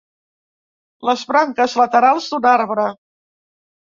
Les branques laterals d'un arbre.